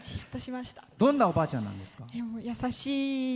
どんなおばあちゃんなんですか？